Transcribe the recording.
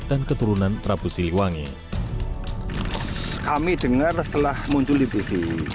dan keturunan prabu siliwangi kami dengar setelah muncul di tv